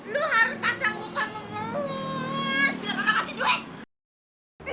lo harus tak sanggup